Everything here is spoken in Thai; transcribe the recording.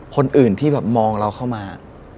คนอื่นที่แบบมองเราเข้ามา